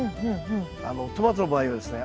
トマトの場合はですね